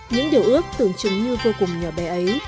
những điều ước tưởng chứng như vô cùng nhỏ bé ấy